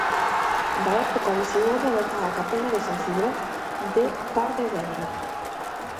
Da época visigoda data a capela de San Cibró de Pardevedra.